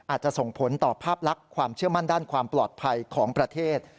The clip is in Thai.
อาจจะส่งผลต่อภาพลักษณ์ความเชื่อมั่นด้านความปลอดภัยของประเทศ